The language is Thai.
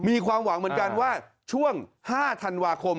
มีความหวังเหมือนกันว่าช่วง๕ธันวาคม